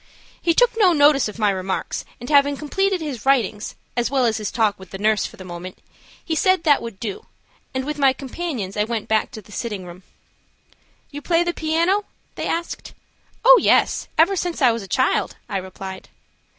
He took no notice of my remarks, and having completed his writings, as well as his talk with the nurse for the moment, he said that would do, and with my companions, I went back to the sitting room. "You play the piano?" they asked. "Oh, yes; ever since I was a child," I replied.